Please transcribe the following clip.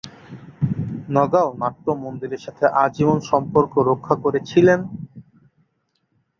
নগাঁও নাট্য মন্দিরের সাথে আজীবন সম্পর্ক রক্ষা করেছিলেন।